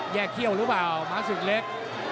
แยกเขี้ยวหรือเปล่ามะสุกเล็ก